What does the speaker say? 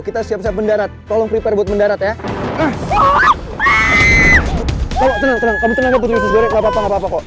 kita siap siap mendarat tolong prepare buat mendarat ya